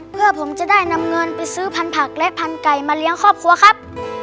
เพื่อผมจะได้นำเงินไปซื้อพันธักและพันธุ์ไก่มาเลี้ยงครอบครัวครับ